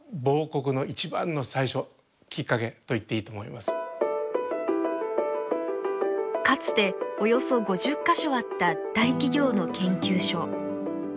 ところがかつておよそ５０か所あった大企業の研究所。